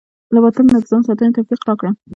له باطل نه د ځان ساتنې توفيق راکړه.